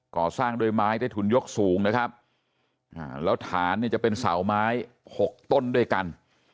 ก่อสร้างด้วยไม้ได้ถุนยกสูงนะครับแล้วฐานเนี่ยจะเป็นเสาไม้หกต้นด้วยกัน